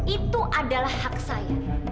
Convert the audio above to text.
itu adalah hak saya